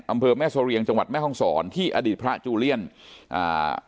อำเภอแม่เสรียงจังหวัดแม่ห้องศรที่อดีตพระจูเลียนอ่า